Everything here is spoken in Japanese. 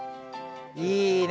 いいね。